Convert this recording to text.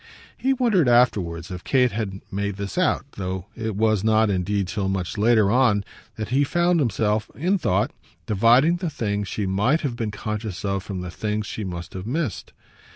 He wondered afterwards if Kate had made this out; though it was not indeed till much later on that he found himself, in thought, dividing the things she might have been conscious of from the things she must have missed.